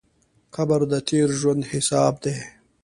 قبر د تېر ژوند حساب دی.